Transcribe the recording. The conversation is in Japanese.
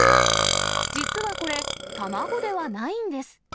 実はこれ、卵ではないんです。